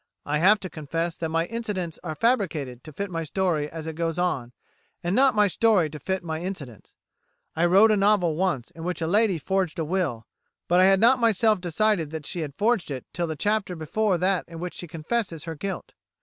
"I have to confess that my incidents are fabricated to fit my story as it goes on, and not my story to fit my incidents. I wrote a novel once in which a lady forged a will, but I had not myself decided that she had forged it till the chapter before that in which she confesses her guilt.